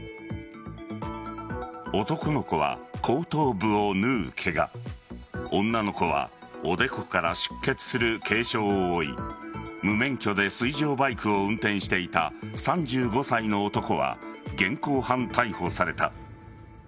男の子は、後頭部を縫うケガ女の子はおでこから出血する軽傷を負い無免許で水上バイクを運転していた３５歳の男は現行犯逮捕された。